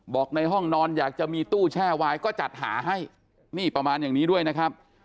ในห้องนอนอยากจะมีตู้แช่วายก็จัดหาให้นี่ประมาณอย่างนี้ด้วยนะครับ